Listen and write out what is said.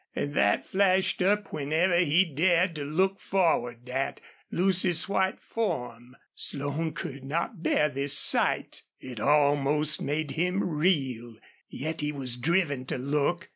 And that flashed up whenever he dared to look forward at Lucy's white form. Slone could not bear this sight; it almost made him reel, yet he was driven to look.